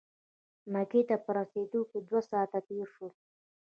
مکې ته په رسېدو کې دوه ساعته تېر شول.